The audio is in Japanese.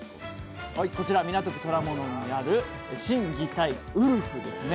こちら、港区虎ノ門にある心・技・体「うるふ」ですね。